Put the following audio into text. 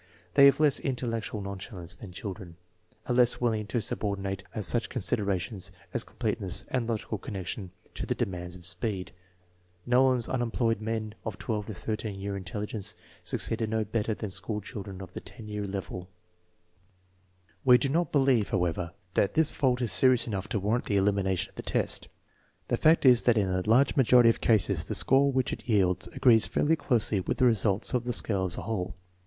They have less " intellectual nonchalance " than children, are less willing to subordinate such considerations as complete ness and logical connection to the demands of speed. Knollin's unemployed men of 1 to 13 year intelligence succeeded no better than school children of the 10 year level. We do not believe, however, that this fault is serious enough to warrant the elimination of the test. The fact is that in a large majority of cases the score which it yields agrees fairly closely with the result of the scale as a whole.